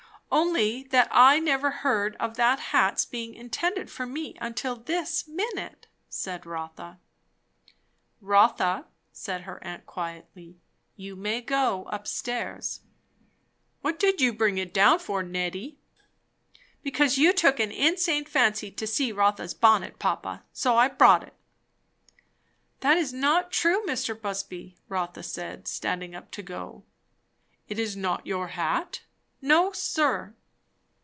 "Only, that I never heard of that hat's being intended for me until this minute," said Rotha. "Rotha," said her aunt quietly, "you may go up stairs." "What did you bring it down for, Nettie?" "Because you took an insane fancy to see Rotha's bonnet, papa; so I brought it." "That is not true, Mr. Busby," Rotha said, standing up to go. "It is not your hat?" "No, sir."